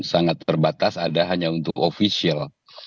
sangat terbatas ada hanya untuk ofisial